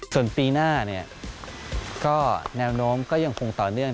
ส่วนปีหน้าแนวโน้มก็ยังคงต่อเนื่อง